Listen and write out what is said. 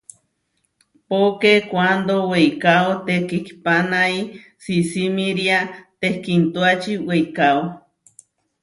Poké kuándo weikáo tekihpánai, sisimíria tehkiintuáči weikáo.